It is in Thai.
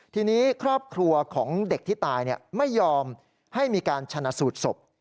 ทีนี้ครอบครัวของเด็กที่ตายไม่ยอมให้มีการชนะสูตรศพ